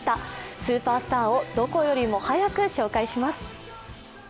スーパースターをどこよりも早く紹介します。